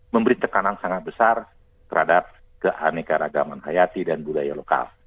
memberi tekanan sangat besar terhadap keanekaragaman hayati dan budaya lokal